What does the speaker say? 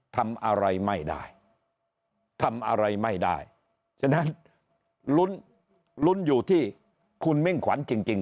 ทำอะไรไม่ได้ทำอะไรไม่ได้ฉะนั้นลุ้นลุ้นอยู่ที่คุณมิ่งขวัญจริง